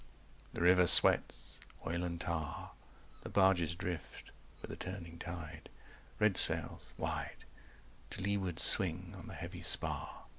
265 The river sweats Oil and tar The barges drift With the turning tide Red sails 270 Wide To leeward, swing on the heavy spar.